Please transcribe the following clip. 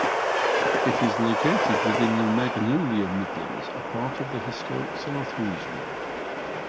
It is located within the Magnolia Midlands, a part of the Historic South region.